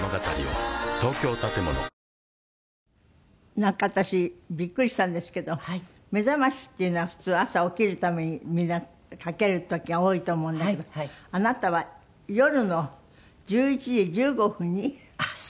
なんか私ビックリしたんですけど目覚ましっていうのは普通朝起きるためにみんなかける時が多いと思うんだけどあなたは夜の１１時１５分に目覚ましをかける？